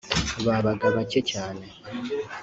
babaga bacye cyane